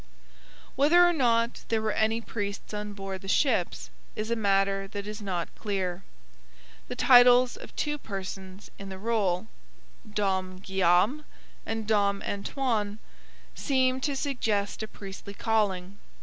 Whether or not there were any priests on board the ships is a matter that is not clear. The titles of two persons in the roll Dom Guillaume and Dom Antoine seem to suggest a priestly calling.